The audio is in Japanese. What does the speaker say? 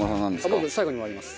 僕最後に回ります。